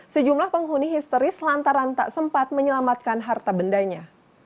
sejumlah penghuni histeris lantaran tak sempat menyelamatkan harta bendanya